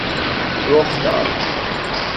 رخ داد